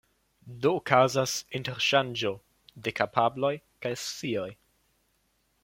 Do okazas interŝanĝo de kapabloj kaj scioj.